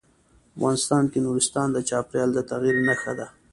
افغانستان کې نورستان د چاپېریال د تغیر نښه ده.